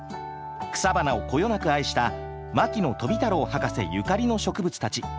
草花をこよなく愛した牧野富太郎博士ゆかりの植物たち。